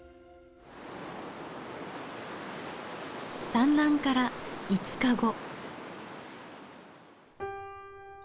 産卵から５日後。